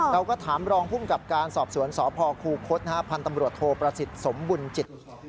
เราก็ถามรองภูมิกับการสอบสวนสพคูคศพันธ์ตำรวจโทประสิทธิ์สมบุญจิต